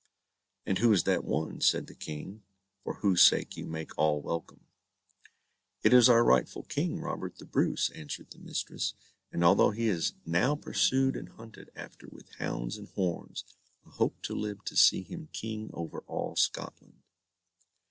"And who is that one," said the King, "for whose sake you make all welcome?" "It is our rightful King, Robert the Bruce," answered the mistress, "and although he is now pursued and hunted after with hounds and horns, I hope to live to see him King over all Scotland."